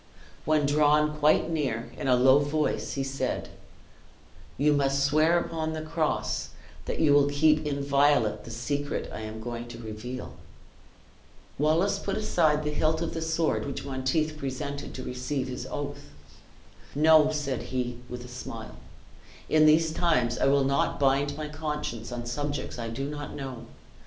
When drawn quite near, in a low voice he said, "You must swear upon the cross that you will keep inviolate the secret I am going to reveal." Wallace put aside the hilt of the sword which Monteith presented to receive his oath. "No," said he, with a smile; "in these times I will not bind my conscience on subjects I do not know.